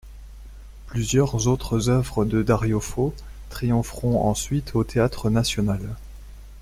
Plusieurs autres œuvres de Dario Fo triompheront ensuite au Théâtre national.